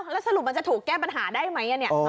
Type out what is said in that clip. แล้วสรุปมันจะถูกแก้ปัญหาได้ไหมเนี่ย